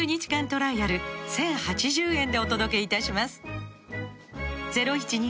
トライアル１０８０円でお届けいたします